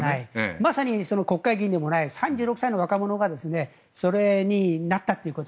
まさに国会議員でもない３６歳の若者がそれになったということ。